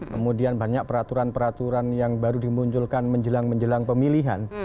kemudian banyak peraturan peraturan yang baru dimunculkan menjelang menjelang pemilihan